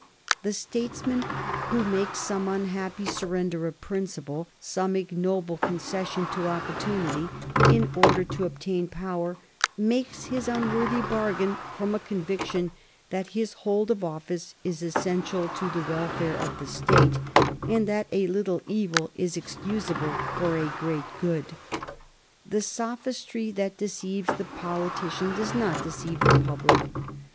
The statesman who makes some unhappy surrender of principle, some ignoble concession to opportunity in order to obtain power, makes his unworthy bargain from a conviction that his hold of office is essential to the welfare of the State, and that a little evil is excusable for a great good. The sophistry that deceives the politician does not deceive the public.